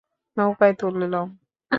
নৌকায় তুলে লও।